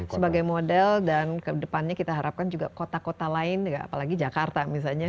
sebagai model dan kedepannya kita harapkan juga kota kota lain apalagi jakarta misalnya